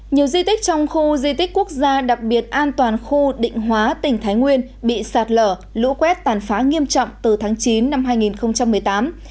nhiều di tích trong khu di tích quốc gia đặc biệt an toàn khu định hóa tỉnh thái nguyên bị sạt lở lũ quét tàn phá nghiêm trọng từ tháng chín năm hai nghìn một mươi tám